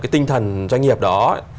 cái tinh thần doanh nghiệp đó